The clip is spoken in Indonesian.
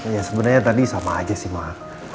ya sebenernya tadi sama aja sih ma